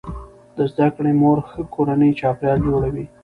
د زده کړې مور ښه کورنی چاپیریال جوړوي.